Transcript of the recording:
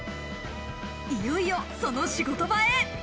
いよいよその仕事場へ。